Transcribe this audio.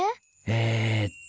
えっと。